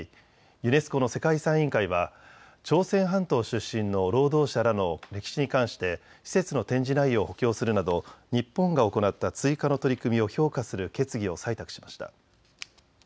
ユネスコの世界遺産委員会は朝鮮半島出身の労働者らの歴史に関して施設の展示内容を補強するなど日本が行った追加の取り組みを評価する決議を採択しました。